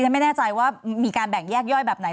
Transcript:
ไม่แน่ใจว่ามีการแบ่งแยกย่อยแบบไหน